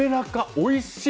おいしい！